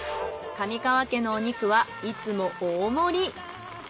上川家のお肉はいつも大盛り。